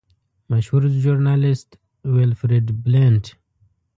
مشهور ژورنالیسټ ویلفریډ بلنټ.